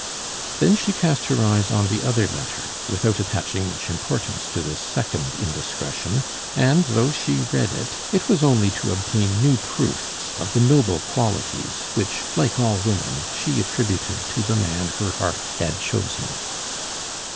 Then she cast her eyes on the other letter, without attaching much importance to this second indiscretion; and though she read it, it was only to obtain new proofs of the noble qualities which, like all women, she attributed to the man her heart had chosen.